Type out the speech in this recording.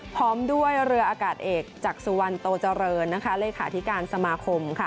พร้อมด้วยเรืออากาศเอกจากสุวรรณโตเจริญนะคะเลขาธิการสมาคมค่ะ